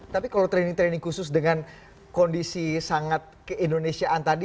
tapi kalau training training khusus dengan kondisi sangat keindonesiaan tadi